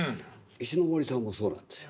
石森さんもそうなんですよ。